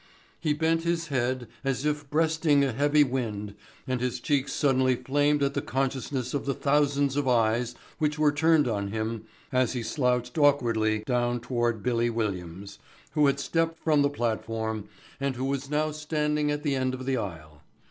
He bent his head as if breasting a heavy wind and his cheeks suddenly flamed at the consciousness of the thousands of eyes which were turned on him as he slouched awkwardly down toward "Billy" Williams, who had stepped from the platform and who was now standing at the end of the aisle.